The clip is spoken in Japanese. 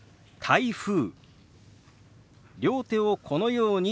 「台風」。